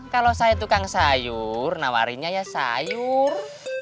kalau saya tukang sayur nawarinya ya sayur